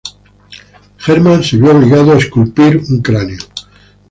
Hermann se vio obligado a esculpir un cráneo.